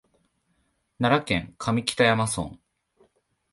奈良県上北山村